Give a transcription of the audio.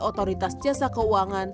otoritas jasa keuangan